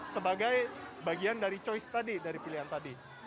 sebagai bagian dari choice tadi dari pilihan tadi